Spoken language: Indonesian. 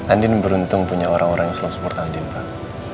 andien beruntung punya orang orang yang selalu support andien pak